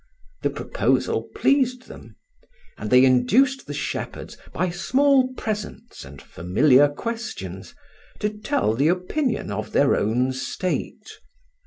The proposal pleased them; and they induced the shepherds, by small presents and familiar questions, to tell the opinion of their own state.